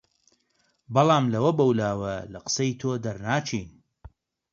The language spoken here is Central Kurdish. بەڵام لەوە بەولاوە لە قسەی تۆ دەرناچین